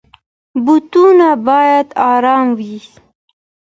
بوټونه بايد ارام وي.